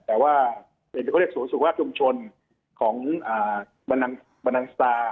แต่ว่าเป็นส่วนสุขภาคยุมชนของบันดังสตรา